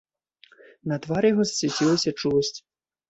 На твары яго засвяцілася чуласць.